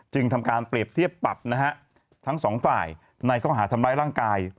ทำการเปรียบเทียบปรับนะฮะทั้งสองฝ่ายในข้อหาทำร้ายร่างกาย